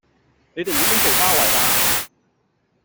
你地已經被包圍啦